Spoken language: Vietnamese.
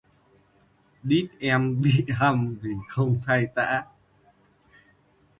Đít em bị hăm vì không thay tã